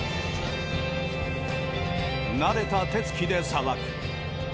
慣れた手つきでさばく。